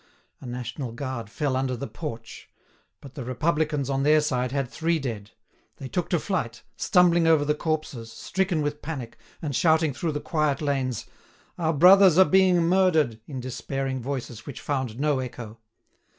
A national guard fell under the porch. But the Republicans, on their side, had three dead. They took to flight, stumbling over the corpses, stricken with panic, and shouting through the quiet lanes: "Our brothers are being murdered!" in despairing voices which found no echo.